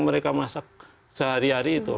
mereka masak sehari hari itu